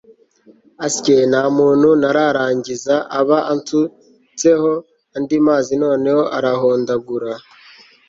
asye! ntamuntu. ntararangiza aba ansutseho andi mazi noneho arahondagura